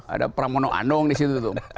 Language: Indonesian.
ada pramono andong di situ tuh